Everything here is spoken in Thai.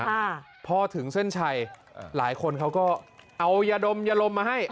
ค่ะพอถึงเส้นชัยหลายคนเขาก็เอายาดมยาลมมาให้